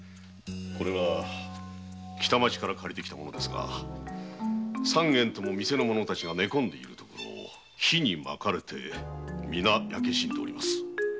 これは北町から借りてきたものですが三件とも店の者たちが寝込んでいるところを火に巻かれ皆焼け死んでおります。